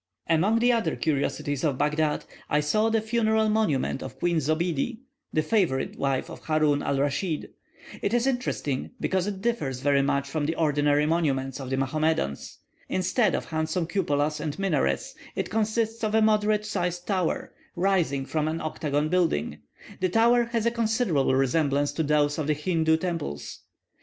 Among the other curiosities of Baghdad, I saw the funeral monument of Queen Zobiede, the favourite wife of Haroun al Raschid. It is interesting, because it differs very much from the ordinary monuments of the Mahomedans. Instead of handsome cupolas and minarets, it consists of a moderate sized tower, rising from an octagon building; the tower has a considerable resemblance to those of the Hindoo temples.